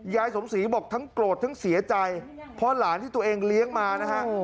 ยายสมศรีบอกทั้งโกรธทั้งเสียใจเพราะหลานที่ตัวเองเลี้ยงมานะฮะ